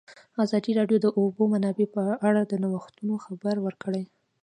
ازادي راډیو د د اوبو منابع په اړه د نوښتونو خبر ورکړی.